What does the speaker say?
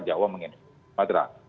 jawa menginfeksi sumatera